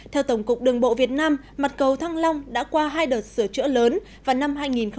theo tổng cục đường bộ việt nam mặt cầu thăng long đã qua hai đợt sửa chữa lớn vào năm hai nghìn chín